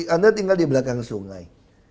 anda tinggal di belakang sungai